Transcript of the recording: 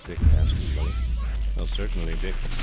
Dick asked eagerly. "Certainly, Dick.